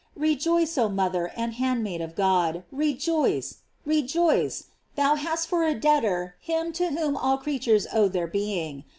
Rejoice, oh mother and handmaid of God! rejoice! rejoice! thou hast for a debtor him to whom all creatures owe their being.